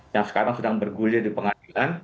yang sekarang sedang bergulir di pengadilan